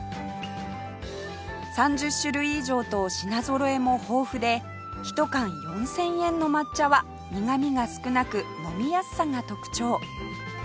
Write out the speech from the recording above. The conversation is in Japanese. ３０種類以上と品ぞろえも豊富で１缶４０００円の抹茶は苦みが少なく飲みやすさが特徴